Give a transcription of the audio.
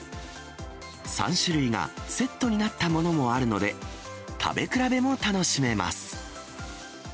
３種類がセットになったものもあるので食べ比べも楽しめます。